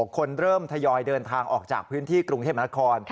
คนเริ่มทยอยเดินทางออกจากพื้นที่กรุงเทพมนาคม